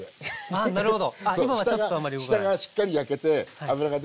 あなるほど。